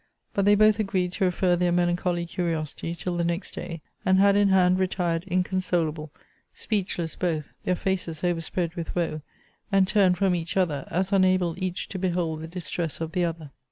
But they both agreed to refer their melancholy curiosity till the next day; and hand in hand retired inconsolable, speechless both, their faces overspread with woe, and turned from each other, as unable each to behold the distress of the other.